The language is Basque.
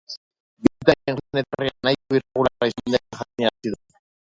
Bisitarien joan-etorria nahiko irregularra izan dela jakinarazi du.